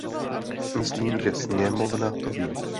Myslím, že sněmovna to ví.